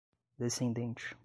descendente